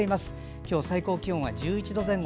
今日、最高気温は１１度前後。